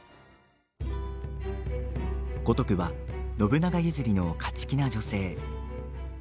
五徳は、信長譲りの勝ち気な女性。